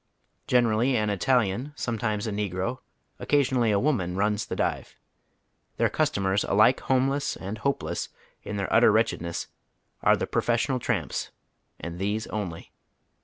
Generally an Italian, sometimes a ne gro, occasionally a woman, "runs" the dive. Their cus tomers, alike homeless and hopeless in their utter wretch edness, are tbe professional tramps, and these only.